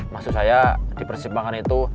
maksud saya di persimpangan itu